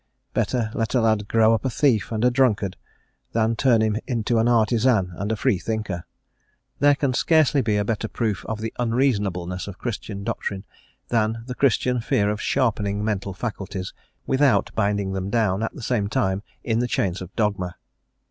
Better let a lad grow up a thief and a drunkard, than turn him into an artizan and a freethinker. There can scarcely be a better proof of the unreasonableness of Christian doctrine, than the Christian fear of sharpening mental faculties, without binding them down, at the same time, in the chains of dogma.